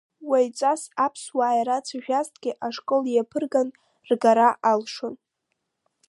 Уаҩҵас аԥсуаа ирацәажәазҭгьы, ашкол иаԥырганы ргара алшон.